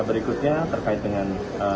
berikutnya terkait dengan